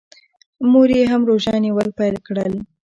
مور یې هم روژه نیول پیل کړل.